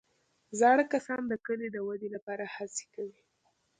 زاړه کسان د کلي د ودې لپاره هڅې کوي